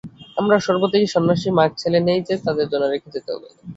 আমরা সর্বত্যাগী সন্ন্যাসী, মাগছেলে নেই যে, তাদের জন্য রেখে যেতে হবে।